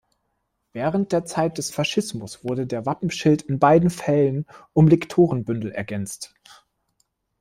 Während der Zeit des Faschismus wurde der Wappenschild in beiden Fällen um Liktorenbündel ergänzt.